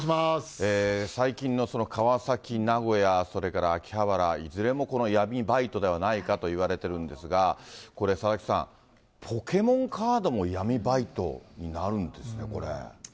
最近の川崎、名古屋、それから秋葉原、いずれもこの闇バイトではないかといわれてるんですが、これ佐々木さん、ポケモンカードも闇バイトになるんですね、これ。